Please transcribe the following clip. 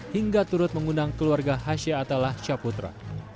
hingga turut mengundang keluarga hashya atalashya putra